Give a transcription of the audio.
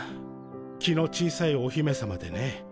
気の小さいお姫さまでね。